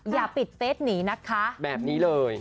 อย่าปิดเฟสหนีนะคะแบบนี้เลย